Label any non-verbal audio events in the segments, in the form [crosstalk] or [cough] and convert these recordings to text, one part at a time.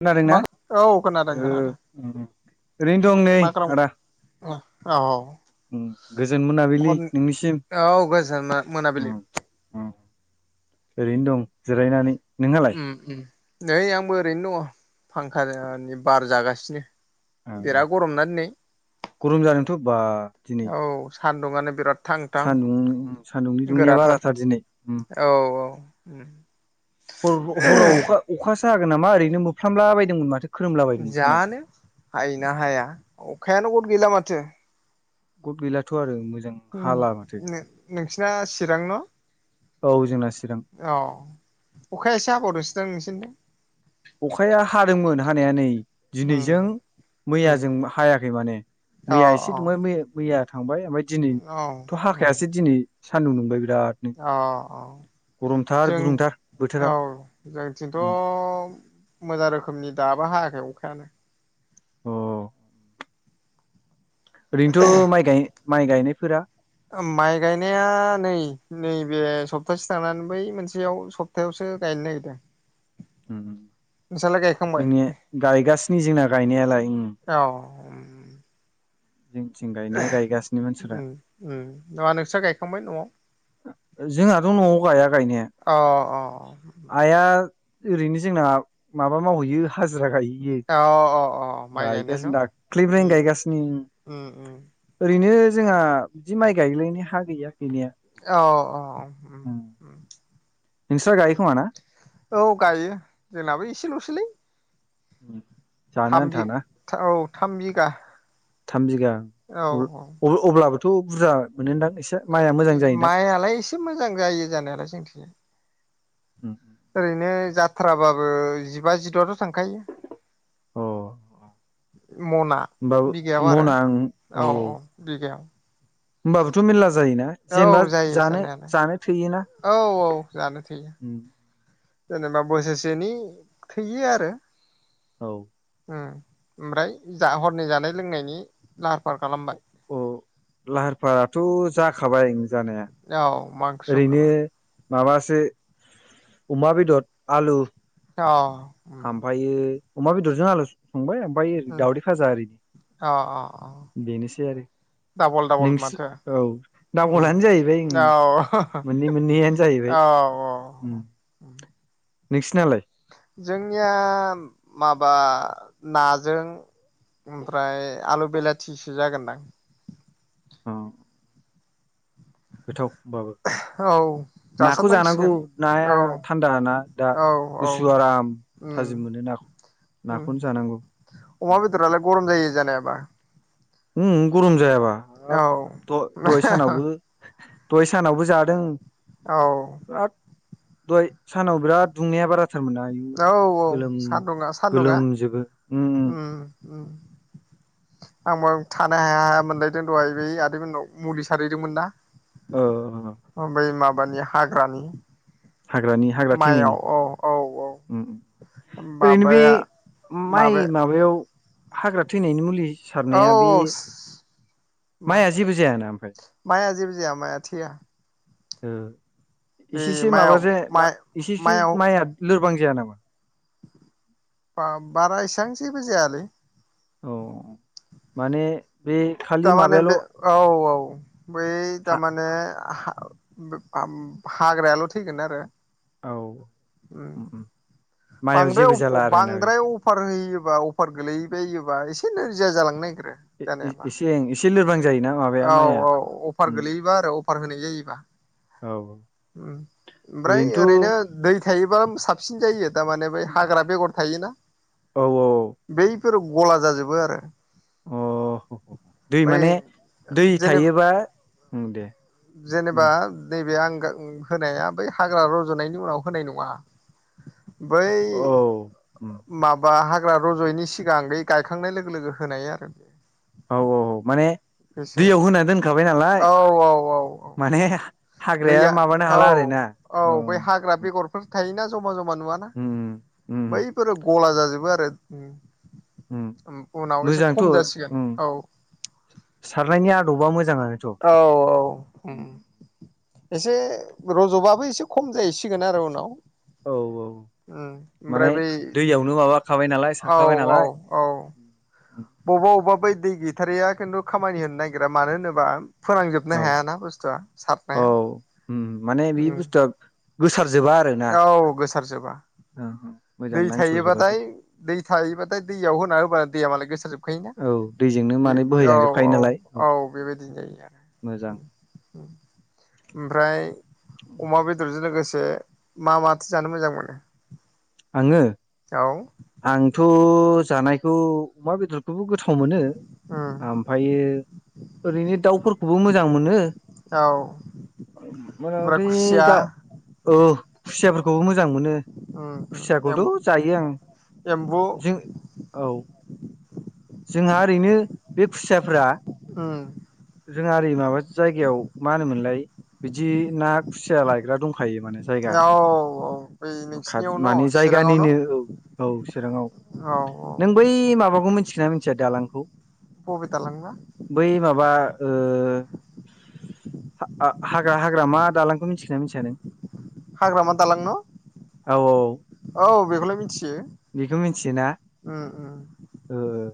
खोनादोंना मा औ खोनादों ओ खोनादों ओरैनो दं नै आदा अ औ उम गोजोन औ मोनाबिलि नोंनिसिम औ गोजोन मोनाबिलि [inaudible] ओरैनो दं जिरायनानै नोंहालाय उ उ नै आंबो ओरैनो दङ फांखानि बार जागासिनो उ बिराद गरम ना दिनै उ गरम जादोंथ बा दिनै औ सान्दुंआनो बिराद थां थां सान्दुं सान्दुंनि दुंनाया गोराथार बाराथार दिनै औ औ ह हराव अखा अखासो हागोन नामा ओरैनो मोफ्र्लामला बायदोंमोन माथो खोरोमला बायदोंमोन सानाव जानो हायो ना हाया अखायानो गथ गैला माथो गथ गैलाथ' आरो मोजां हाला माथो बिसिना चिरां न औ जोंना सि औ अखाया एसे हाबावदोसो दां नोंसिनिथिं अखाया हादोंमोन हानाया नै उम दिनैजों मैया उम जों हायाखै माने अ मैया एसे अ दुंबाय मैया थांबाय ओमफ्राय दिनै औ थ' उम हाखायासै दिनै सान्दुं दुंबाय बिरादनो अ अ गरमथार जों गुदुंथार बोथोरा औ उम जोंनिथिंथ' मोजां रोखोमनि दाबो हायाखै अखायानो अ ओरैनोथ' माइ गाय माइ गायनायफोरा माइ गायनाया नै-नैबे सप्तासे थांनानै बै मोनसेयाव सप्थायायावसो गायनो नागिरदों उ नोंस्रालाय गायखांबाय जोंनिया गायगासिनो जोंना गायनायालाय औ जोंथिं गायनाया गायगासिनो मानसिफ्रा उ ओं नोंस्रा गायखांबाय न'आव जोंहाथ' न'आव गाया गायनाया अ अ आइया ओरैनो जोंना माबा मावहैयो हाजिरा गायो अ अ अ माइ गायनाय न गायगासिनो दाख्लैनिफय उम गायगासिनो उम उम ओरैनो जोंहा बिदि माइ गायलायनाय हा गैया गैनाया औ औ उम नोंस्रा गायो खौमा ना औ गायो जोंनाबो इसेल'सैलै [inaudible] थाम आन्था बि ना औ थाम बिगा थाम बिगा औ औ अब्लाबोथ' बुरजा मोनोदां एसे माइआ मोजां जायोदां अ माइआलाय एसे मोजां जायो जानायालाय जोंथिजाय उ ओरैनो जाथ्राबाबो जिबा जिद'आथ' थांखायो अ मना होनोमबो बिगायाव आरो मना आं औ औ होमबाबोथ' मेर्ला जायोना औ जेनेबा जायो जानो जानायालाय जानो थैयोना औ औ जानो थोयो जेनेबा बोसोरसेनि थोयो आरो औ उम ओमफ्राय जा हरनि जानाय लोंनायनि लाहार फाहार खालामबाय? औ लाहार फाहाराथ' जाखाबाय जानाया औ मा ओंख्रि ओरैनो संखोबा माबासो अमा बेदर आलु अ। ओमफ्रायो अमा बेदरजों आलु संबाय। ओमफ्राय ओरै उम दावदै फाजा अ अ ओरैनो बेनोसै आरो। डाबल डाबल नोंस माथो औ उम दाबलानो जाहैबाय औ मोननै मोननैआनो औ जाहैबाय। उम। [inaudible] नोंसिनालाय? जोंनिया माबा नाजों ओमफ्राय आलु बिलाथिसो जागोनदां। औ। गोथाव होनबाबो। औ नाखौ जानांगौ जासाबनांसिगोन नाया औ थान्दाना दा औ औ गुसु आराम। उम थाजिम मोनो नाखौ। उम नाखौनो जानांगौ अमा बेदेरालाय गरम जायो जानायाबा। उम गरम जायाबा हाब औ द-दहाय सानावबो दहाय सानावबो जादों। औ। बिराद दहाय सानाव बिराद दुंनाया बारा। औ औ सादुङा सादुङा। गोलोमजोबो उम आंबो थानो हाया हाया मोनलायदों दहाय बै आदै मोनाव मुलि सारहैदोंमोन ना। ओ ओमफ्राय माबानि हाग्रानि हाग्रानि हाग्रा माइयाव थैनायनि औ औ औ उम। ओरैनो बे माबाया माइ माबाया माबायाव हाग्रा थैनायनि मुलि औ सारनाया बे स मा माइआ जेबो जायाना ओमफ्राय माइआ जेबो जाया माया थैया। ओ बे इसेसो माबा माइआव जाया माइ इसेसो माइया लोरबां जाया नामा? बा-बारा इसेबां जेबो जायालै। औ माने बे खालि थारमाने माबायाल' बे औ औ बै हा थारमाने हा हाग्रायाल' थैगोन आरो। औ उम उम माइआव बांद्राय जेबो अ जाला आरोना बे बांद्राय अफार होयो बा अफार गोलैबायोबा एसे नोरजिया जालांनो नाय इसे इसेे लोरबां जायोना माबाया औ माइआ औ अफार उम गोलैयोबा आरो अफार होनाय जायोबा। औ ओमफ्राय ओरैनो ओरैनोथ' दै थायोबा साबसिन जायो थारमाने बे हाग्रा बेगर थायोना। औ औ। फोर गला जाजोबो आरो। अ दै बै माने दै जेने थायोबा उम दे। जेनेबा बुं नैबे आं गा होनाया बै हाग्रा रज'नायनि उनाव होनाय नङा। बै औ उम माबा हा हाग्रा रजयैनि सिगां गायखांनाय लोगो लोगो होनाय आरो। औ औ औ माने बेसो दैयाव होनानै दोनखाबाय नालाय औ औ औ औ माने हाग्राया दैया माबानो औ हाला आरो। औ बै हाग्रा बेगरफोर थायोना। जमा जमा नुवाना उम बैफोरो गला जाजोबो आरो उम। उनाव एसे मोजांथ' खम जासिगोन उम औ। सारनायनि आदबा मोज औ औ उम। एसे रज'बाबो एसे खम जाहैसिगोन आरो उनाव। औ औ। माने ओमफ्राय बै दैयावनो माबाखाबाय नालाय औ सारखाबाय औ नालाय। औ बबेबा बबेबा बै दै गैथारैा खिन्थु खामानि होनो नागिरा मानो होनोबा फोनांजोबनो औ हायाना बुस्थुआ औ सारनाया। उम माने बे उम बुस्थुआ गोसारजोबा आरोना। औ गोसारजोबा औ मोजां दै नांसरजोबासो थायोबाथाय दै थायोबाथाय दैयाव होना होबानो दैया मालाय गोसार जोब खायोना औ दैजोंनो माने औ बोहैलांजोबखायो औ नालाय औ बेबायदिनो जायो आरो। मोजां ओमफ्राय अमा बेदरजों लोगोस से मा माथो जानो मोजां मोनो? आङो? औ आंथ' जानायखौ अमा बेदर खौबो गोथाव मोनो उम ओमफायो ओरैनो दाउफोरखौबो मोजां मोनो। औ ओमफ्राय मथामथि खुसिया गा ओह खुसियाफोरखौबो मोजां मोनो उम उम एम खुसियाखौथ' जायो आं। एम्बु जों औ। जोंहा ओरैनो बे खुसियाफ्रा उम। जों आरो माबा जायगायाव मा होनोमोनलाय बिदि ना खुसिया लायग्रा दंख खायो माने जायगा औ औ बै खाथ नोंसिनियाव न' मानि चिराङाव न' जायगानिनो औ औ चिराङाव। औ औ नों बै माबाखौ मिथिगोना मिथिया दालांखौ। बबे दालां बा? ओह हाग्रा हाग्रा मा दालांखौ मिथिखोना मिथिया नों? हाग्रामा दालां न औ बेखौलाय मिथियो। बेखौमि उम उम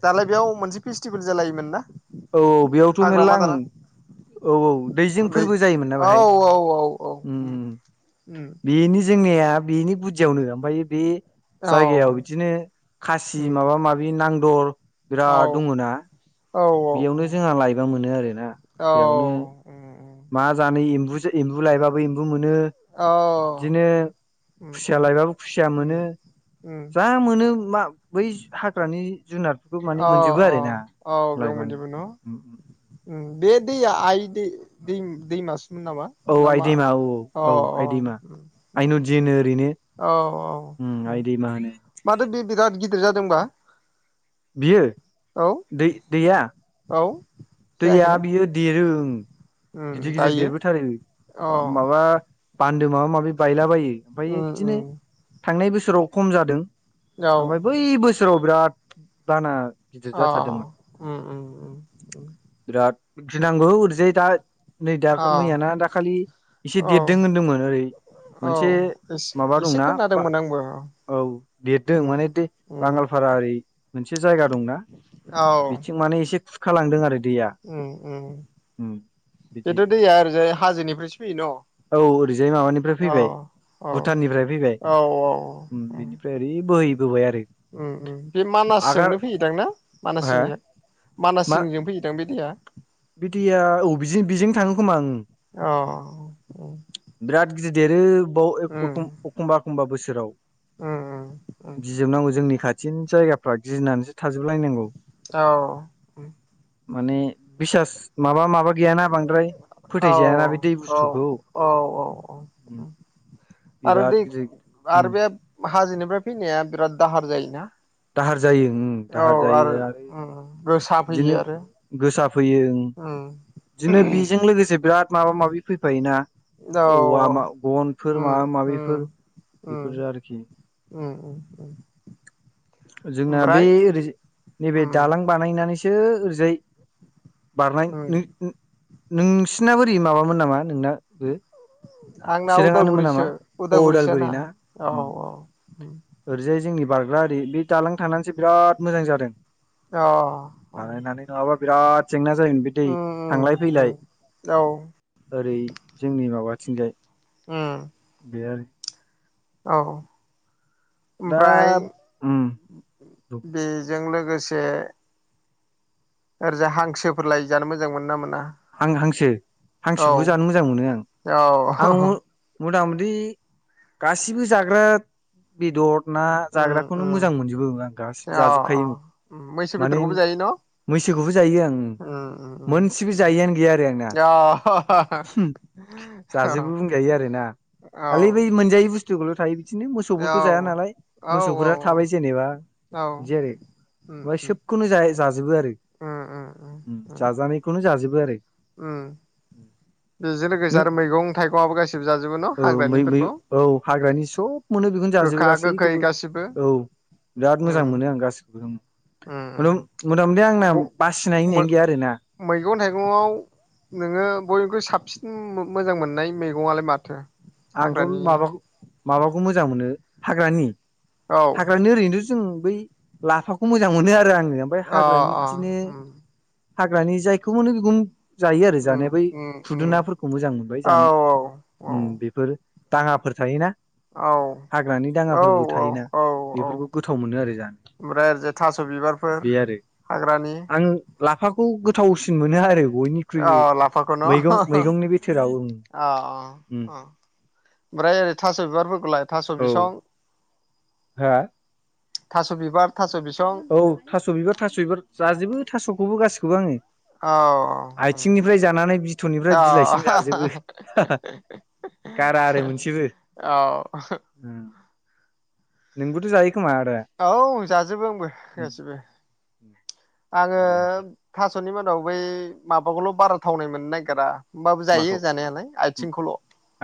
दालाय बेयाव मोनसे फेस्टिभेल जालायोमोन ना? औ बेयावथ' मेर्ला हाग्रामा आं दालां औ औ दै दैजिंफोरबो जायोमोन ना औ बेहाय। औ औ औ उम उम उम बेनि जोंनेया बेनि बुदियावनो ओमफ्राय बे औ जायगायाव बिदिनो खासि उम माबा माबि नांदर औ बिराद दङ ना औ औ बेयावनो जोंहा लायबा मोनो आरोना औ बेयावनो उम मा जानो एम्बु एम्बु लायबाबो एम्बु मोन शो औ बिदिनो उम खुसिया उम लायबाबो खुसिया उम मोनो। उम जा मोनो मा बै हाग्रानि जुनारफोरखौ माने अ मोनजोबो अ आरोना औ बेयाव लायबानो मोनजोबो ओ। बे दैया आइ दै दै दैमास नामा औ आइ नामा दैमा औ अ औ अ आइ दैमा आइ नदि होनो ओरैनो औ उम औ आइ दैमा होनो माथो बे बिराद गिदिर जादोंबा बियो औ दै दैया? औ दैया जायाखैना बियो देरो उम। उम गिदिर गिदिर दायो अ देरबोथारो माबा बान्दो माबा माबि बायलाबायो ओमफायो उम बिदिनो उम थांनाय बोसोराव खम जादों। औ ओमफ्राय बै बोसोराव बिराद बाना गिदिर अ जाथारदोंमोन उम उम उम । बिराद गिनांगौ ओरैजाय दा नै दा अ मैयाना दाखालि एसे औ देरदों होनदोंमोन ओरै औ मोनसे माबा ए-एसे दंना खोनादोंमोन आंबो। औ देरदों उम माने दे उम बांगालफारा ओरै मोनसे जायगा दंना। बिथिं माने एसे खुरखालांदों आरो। दैया ओम ओम। उम बिदि बेथ' दैया ओरैजाय हाजोनिफ्रायसो फैयो न? औ ओरैजाय माबानिफ्राय औ। फैबाय औ भुटाननिफ्राय फैबाय औ औ उम ओ। बेनिफ्राय ओरै बोहैबोबाय आरो उम उम। बे आगार मानासजोंनो फैयोदां ना? मानास हा जिंनिया मानास जिंजों फैदोंदां बे दैया? बि दैया औ बि-बिजों थाङो खोमा ओं। अ औ। बिराद गिदिर देरो बाव अख'-एखमबा एखमबा बोसोराव। उम उम गिजोबनांगौ जोंनि खाथिनि जायगाफ्रा गिनानैसो थाजोबलायनांगौ। औ ओम। माने बिसास माबा माबा गैय ना बांद्राय औ फोथाय जाय ना बे दै औ बुस्थुखौ औ औ ओम। औ आरो बिराद दै गिदिर आरो उओम। बे हाजोनिफ्राय फैनाया बिराद दाहार जायोना? दाहार जायो उम। औ दाहार जायो आरो उम गोसा बिदिनो फैयो आरो गोसाफैयो ओं। उम बिदिनो बेजों लोगोसे बिराद माबा माबि फैफायोना औ औ औवा गनफोर माबा माबिफोर बेफोर ओम आरोखि ओम ओम ओम। जोंना बे ओरै नैबे उम दालां बानायनानै सो ओरैजाय बारनाय उम नोंसिनाबो ओरै माबामोन नामा नोंनाबो आंना चिराङानोमोन नामा उदालगुरिसो औ उदालगुरि उदालगुरिसोआंना। ना औ उम औ। ओरैजाय जोंनि बारग्रा आरि बे दालां थांनानैसो बिराद मोजां जादों। अ ओम। बानायनानै नङाबा बिराद जेंना जायोमोन बे दै थांलाय फैलाय। उम औ ओरै जोंनि माबा बिथिंजाय। ओम। बेयो औ दा ओमफ्राय बेजों लो लोगोसे ओरैजाय हांसोफोरलाय जानो मोजां मोनो ना मोना? आं हांसो औ हांसोखौबो जानो मोजां मोनो आं आं अ औ मथा मथि गासिबो जाग्रा बेदर ना उम जाग्राखौनो उम मोजां मोनजोबो आं गासिबो अ अ जाजोबखायोमोन मैसो माने बेदरखौबो जायो न'? मैसोखौबो जायो आं उम उम मोनसेबो उम जायैआनो गैया आरो आंना। अ जाजोबो बुंजायो आरोना औ खालै बै मोनजायै बुस्थुखौल' थायो बिदिनो मोसौफोरखौ जाया नालाय औ मोसौफोरा थाबाय जेनेबा। बिदि आरो उम ओमफाय उम सोबखौनो जा-जाजोबो आरो। उम उम ओम जाजानायखौनो जाजबो आरो। ओम। बेजों लोगोसे नों आरो मैगं थाइगंआबो गाससिबो जाजोबो न' औ मै मै हाग्रानिफोरखौ। औ हाग्रानि सब मोनो बेखौनो जाजोबो गोखा गोखै गासैखौबो गासिबो। औ बिराद मोजां उम मोनो आं गासिखौबो ओं। मथा उम मथा मथि आंना बासिनाय होननायानो गैया आरोना। मैगङाव नोङो बयनिख्रुइ साबसिन मोजां मोननाय मैगङालाय माथो? आंथ' हाग्रानि माबाखौ माबाखौ मोजां मोनो हाग्रानि औ हाग्रानि ओरैनोथ' जों बै लाफाखौ मोजां मोनो आरो आङो। ओमफ्राय अ हाग्रानि अ बिदिनो उम हाग्रानि जायखौ मोनो बेखौनो जायो आरो उम जानाया बै उम उम खुदुनाफोरखौ मोजां मोनबाय औ जानो औ औ उम बे दाङाफोर थायोना हाग्रानि औ दाङाफोरबो थायोना औ औ बेफोरखौ गोथाव मोनो आरो जानो ओमफ्राय जे थास' बिबारफोर बे आरो हाग्रानि आं लाफाखौ गोथावसिन मोनो आरो अ बयनिख्रुइबो लाफाखौ न मैगं अ मैगंनि बिथोराव ओं अ उम अ ओमफ्राय ओरै थास' बिबारफोरखौलाय थास' बिसं हो थास' बिबार थास' बिसं औ थास' बिबार थास' बिबार जाजोबो थास'खौबो गासिखौबो आङो औ औ आइथिंनिफ्राय जानानै बिथननिफ्राय बिलाइसिम अ जाजोबो हा हा गारा आरो मोनसेबो औ नोंबोथ' जायो खोमा आदा औ जाजोबो आंबो उम गासिबो आङो बरिया होमबालाय थास'नि मादाव बै माबाखौल' बारा थावनाय मोननो नागिरा होमबाबो जायो माखौ जानायालाय आथिंखौल'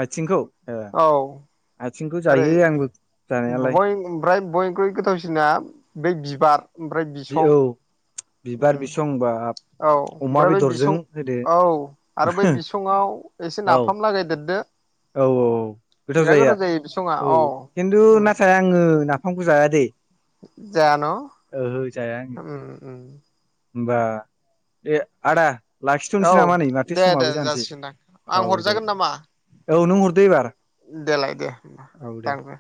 आथिंखौ ओ औ आथिंखौ ओरै जायो आंबो जानायालाय बय ओमफ्राय बयनिख्रुइ गोथावसिना बे बिबार ओमफ्राय बि औ बिसं बिबार उम बिसं बाब औ ओमफ्राय बे बिसं औ आरो बै बिसङाव एसे औ नाफाम लागायदो औ औ गोथाव जायो औ खिन्थु नाथाय आङो नाफामखौ जाया दै जाया न ओहो उम उम ओमबा दे आदा औ लाखिथ'नोसै नामा नै माथो दे दे समाबो जानोसै जासिगोनदां आं औ दे हरजागोन दे नामा? औ नों हरदो एबार देलाय दे औ दे दानग्रो